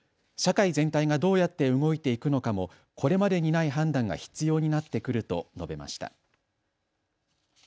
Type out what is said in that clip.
社会全体がどうやって動いていくのかも、これまでにない判断が必要になってくると述べました。